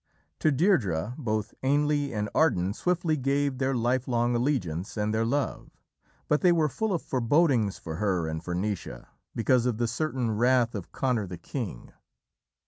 To Deirdrê, both Ainle and Ardan swiftly gave their lifelong allegiance and their love, but they were full of forebodings for her and for Naoise because of the certain wrath of Conor, the king.